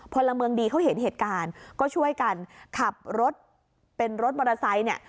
พลเมืองดีเขาเห็นเหตุการณ์ก็ช่วยกันขับรถเป็นรถมอเตอร์ไซค์เนี่ย